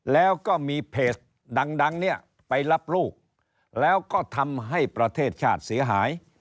แล้วก็มีเพจดังเนี่ยไปรับลูกแล้วก็ทำให้ประเทศชาติเสียหาย